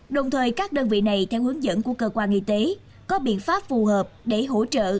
đồng thời các đơn vị này theo hướng dẫn của cơ quan y tế có biện pháp phù hợp để hỗ trợ